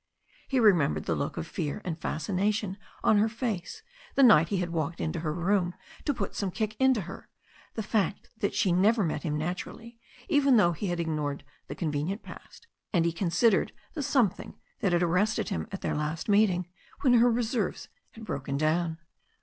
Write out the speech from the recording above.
He remembered the look of fear and fas cination on her face the night he had walked into her room to put some kick into her, the fact that she never met him naturally even though he had ignored the inconvenient past, and he considered the something that had arrested him at their last meeting when her reserves had broken down.